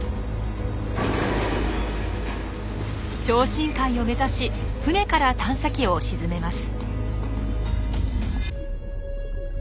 超深海を目指し船から探査機を沈めます。